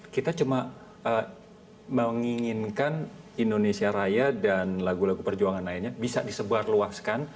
kita cuma menginginkan indonesia raya dan lagu lagu perjuangan lainnya bisa disebarluaskan